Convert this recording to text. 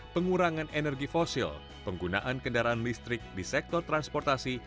pengurangan energi fosil penggunaan kendaraan listrik di sektor transportasi